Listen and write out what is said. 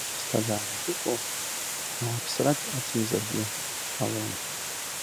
Аԥсҭазаара ахьыҟоу бааԥсрак ацымзаргьы ҟалом…